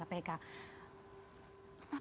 tapi ini kemudian